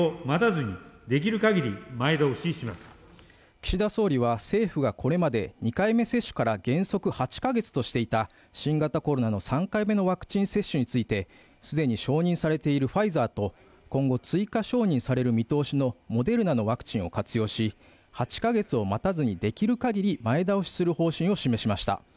岸田総理は、政府がこれまで２回目接種から原則８カ月としていた新型コロナの３回目のワクチン接種について、既に承認されているファイザーと今後追加承認される見通しのモデルナのワクチンを活用し、８カ月を待たずにてぎるかぎり前倒しする方針を示しました。